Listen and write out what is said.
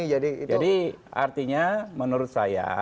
jadi artinya menurut saya